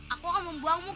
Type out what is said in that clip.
aku akan membantumu